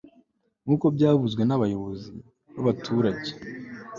nkuko byavuzwe na bayobozi babaturage